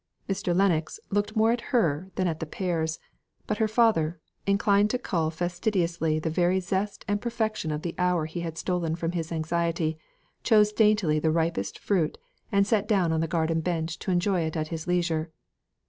Mr. Lennox looked more at her than at the pears; but her father, inclined to cull fastidiously the very zest and perfection of the hour he had stolen from his anxiety, chose daintily the ripest fruit, and sat down on the garden bench to enjoy it at his leisure.